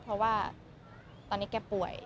เพราะว่าตอนนี้แกป่วย